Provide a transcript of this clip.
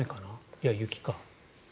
いや、雪か。